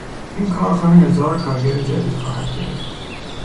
این کارخانه هزار کارگر جدید خواهد گرفت.